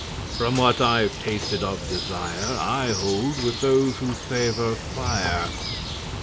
From what I've tasted of desireI hold with those who favor fire.